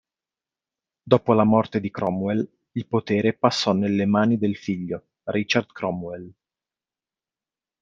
Dopo la morte di Cromwell il potere passò nelle mani del figlio, Richard Cromwell.